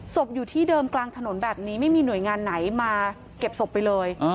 ศพอยู่ที่เดิมกลางถนนแบบนี้ไม่มีหน่วยงานไหนมาเก็บศพไปเลย